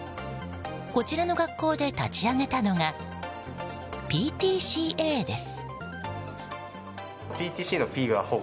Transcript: こちらの学校で立ち上げたのがＰＴＣＡです。